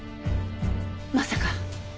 まさか！